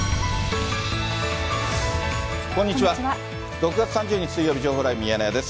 ６月３０日水曜日、情報ライブミヤネ屋です。